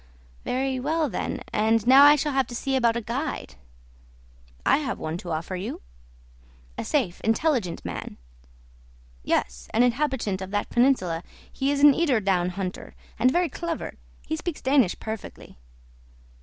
"Very well, then; and now I shall have to see about a guide." "I have one to offer you." "A safe, intelligent man." "Yes; an inhabitant of that peninsula. He is an eider down hunter, and very clever. He speaks Danish perfectly."